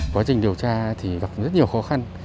quá trình điều tra thì gặp rất nhiều khó khăn